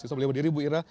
bisa melihat dari bu ira